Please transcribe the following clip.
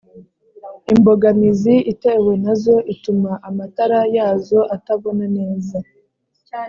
imbogamizi itewe nazo ituma amatara yazo atabona neza